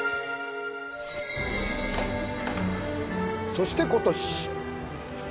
そして今年